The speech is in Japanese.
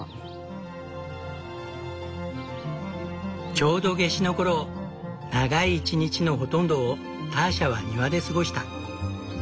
ちょうど夏至の頃長い一日のほとんどをターシャは庭で過ごした。